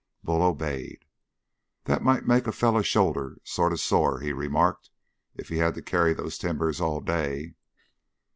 Bull obeyed. "That might make a fellow's shoulder sort of sore," he remarked, "if he had to carry those timbers all day."